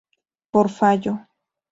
Por fallo.